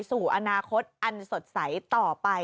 สู่อนาคตอันสดใสต่อไป